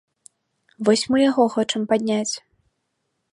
Вось мы яго хочам падняць.